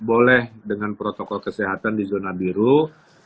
nah dari situlah masuk kategori boleh dengan protokol kesehatan di zona hitam ya